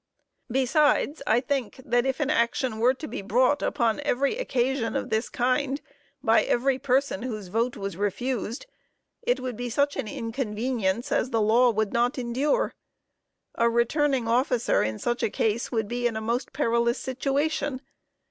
Besides, I think, that if an action were to be brought upon every occasion of this kind by every person whose vote was refused, it would be such an inconvenience as the law would not endure. A returning officer in such a case would be in a most perilous situation.